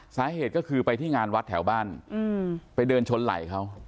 สาเหตุก็คือไปที่งานวัดแถวบ้านไปเดินชนไหล่เขา